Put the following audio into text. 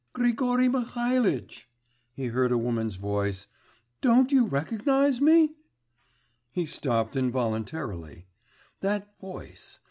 'Grigory Mihalitch,' he heard a woman's voice. 'Don't you recognise me?' He stopped involuntarily. That voice